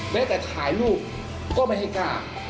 ไปกระดูกก็ไม่ให้กล้า